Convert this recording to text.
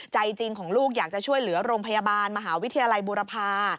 ใจจริงของลูกอยากจะช่วยเหลือโรงพยาบาลมหาวิทยาลัยบุรพา